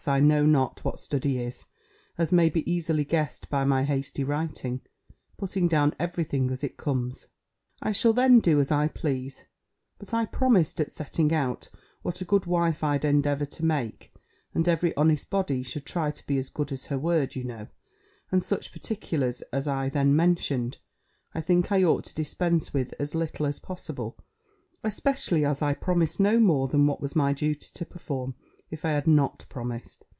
I know not what study is, as may be easily guessed by my hasty writing, putting down every thing as it comes) I shall then do as I please. But I promised at setting out, what a good wife I'd endeavour to make: and every honest body should try to be as good as her word, you know, and such particulars as I then mentioned, I think I ought to dispense with as little as possible; especially as I promised no more than what was my duty to perform, if I had not promised.